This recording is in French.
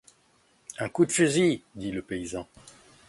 Un coup de fusil ! dit le paysan.